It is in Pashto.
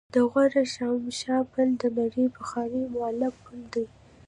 د غور شاهمشه پل د نړۍ پخوانی معلق پل دی